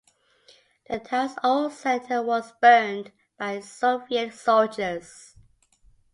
The town's old center was burned by Soviet soldiers.